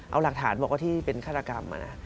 เอาหลักฐานบอกว่าที่เป็นฆาตกรรม